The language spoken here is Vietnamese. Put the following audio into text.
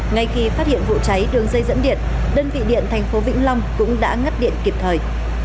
ngay khi phát hiện vụ cháy đường dây dẫn điện đơn vị điện thành phố vĩnh long cũng đã ngắt điện kịp thời